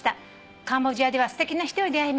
「カンボジアではすてきな人に出会いました」